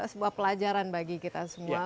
sebuah pelajaran bagi kita semua